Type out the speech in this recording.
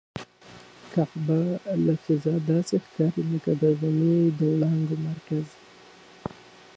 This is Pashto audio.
کعبه له فضا داسې ښکاري لکه د غمي د وړانګو مرکز.